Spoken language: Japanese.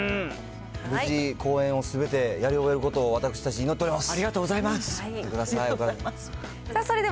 無事、公演をすべてやり終えることを私たち、祈っております。